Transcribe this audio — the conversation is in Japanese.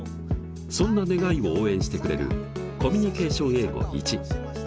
そんな願いを応援してくれる「コミュニケーション英語Ⅰ」。